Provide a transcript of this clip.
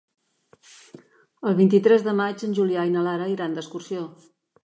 El vint-i-tres de maig en Julià i na Lara iran d'excursió.